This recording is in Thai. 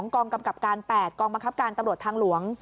กองกำกับการ๘กองบังคับการตำรวจทางหลวง